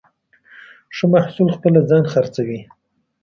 ښه محصول خپله ځان خرڅوي.